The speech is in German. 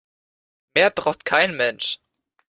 Mehr braucht kein Mensch.